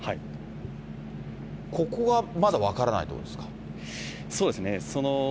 ここはまだ分からないということですか？